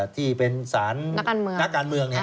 ที่เป็นสารนักการเมือง